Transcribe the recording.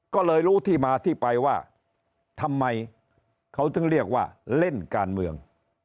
ก็เลยรู้ที่มาที่ไปว่าทำไมเขาถึงเรียกว่าเล่นการเมือง